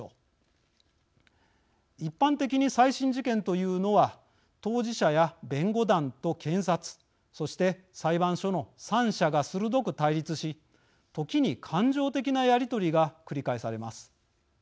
一般的に再審事件というのは当事者や弁護団と検察そして裁判所の３者が鋭く対立し時に感情的なやり取りが繰り返されます。